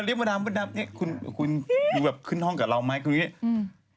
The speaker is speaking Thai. เรียกมดดำมดดำนี่คุณอยู่แบบขึ้นห้องกับเราไหมคุณอย่างนี้